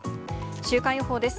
週間予報です。